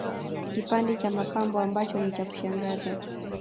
Kipande cha mapambo ambacho ni cha kushangaza